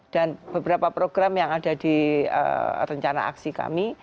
dan beberapa program yang ada di rencana aksi kami